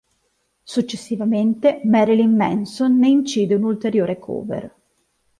Successivamente Marilyn Manson ne incide un'ulteriore cover.